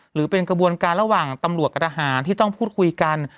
หรือเป็นกระบวนการระหว่างตำรวจกับทหารที่ต้องพูดคุยกัน